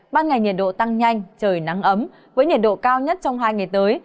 ban ngày nhiệt độ tăng nhanh trời nắng ấm với nhiệt độ cao nhất trong hai ngày tới